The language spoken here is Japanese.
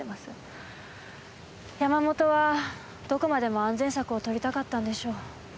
山本はどこまでも安全策を取りたかったんでしょう。